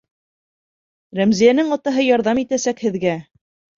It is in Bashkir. Рәмзиәнең атаһы «ярҙам итәсәк» һеҙгә!